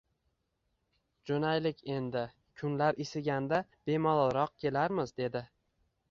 — Jo‘naylik endi. Kunlar isiganda bemalolroq kelarmiz, — dedi.